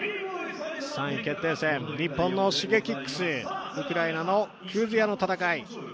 ３位決定戦、日本のＳｈｉｇｅｋｉｘとウクライナのＫｕｚｙａの戦い。